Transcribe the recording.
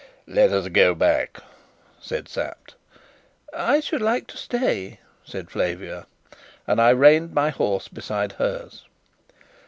"Let us go back," said Sapt. "I should like to stay," said Flavia; and I reined my horse beside hers.